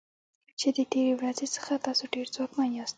چې د تیرې ورځې څخه تاسو ډیر ځواکمن یاست.